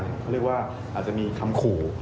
เขาเรียกว่าอาจจะมีคำขู่